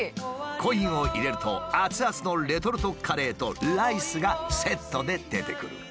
コインを入れると熱々のレトルトカレーとライスがセットで出てくる。